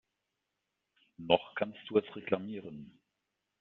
Noch kannst du es reklamieren.